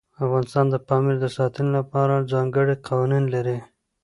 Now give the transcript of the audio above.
افغانستان د پامیر د ساتنې لپاره ځانګړي قوانین لري.